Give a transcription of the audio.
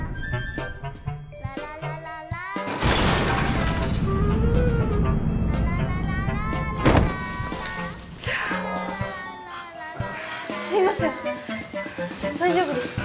イッタすいません大丈夫ですか？